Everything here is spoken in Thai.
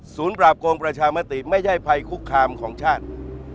ปราบโกงประชามติไม่ใช่ภัยคุกคามของชาติ